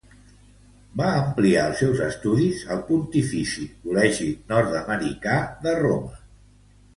Va ampliar els seus estudis al Pontifici Col·legi Nord-americà de Roma.